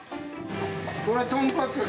これは豚カツ。